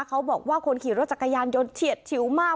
เขาบอกว่าคนขี่รถจักรยานยนต์เฉียดฉิวมาก